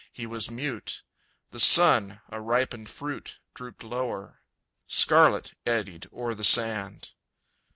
He was mute. The sun, a ripened fruit, Drooped lower. Scarlet eddied o'er the sand.